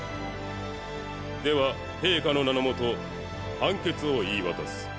では陛下の名の下判決を言い渡す。